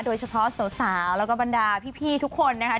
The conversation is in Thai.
โดยเฉพาะสาวแล้วก็บรรดาพี่ทุกคนนะคะ